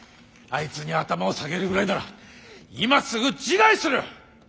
あいつに頭を下げるぐらいなら今すぐ自害する！